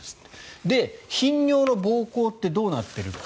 頻尿の膀胱ってどうなっているか。